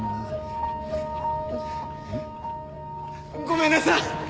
ごめんなさい！